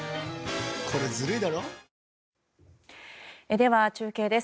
では中継です。